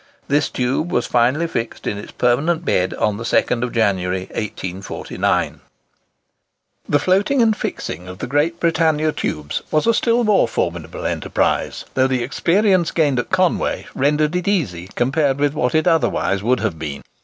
This tube was finally fixed in its permanent bed on the 2nd of January, 1849. [Picture: Conway Tubular Bridge] The floating and fixing of the great Britannia tubes was a still more formidable enterprise, though the experience gained at Conway rendered it easy compared with what it otherwise would have been.